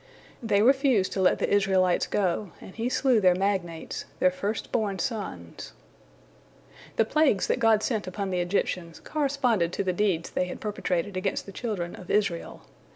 They refused to let the Israelites go, and He slew their magnates, their first born sons. The plagues that God sent upon the Egyptians corresponded to the deeds they bad perpetrated against the children of Israel.